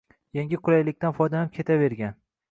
yangi qulaylikdan foydalanib ketavergan.